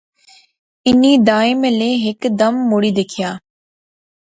انیں دائیں میں لے ہیک دم مڑی دیکھیا